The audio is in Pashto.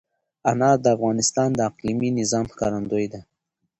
انار د افغانستان د اقلیمي نظام ښکارندوی ده.